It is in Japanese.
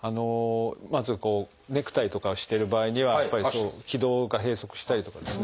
まずネクタイとかをしてる場合にはやっぱり気道が閉塞したりとかですね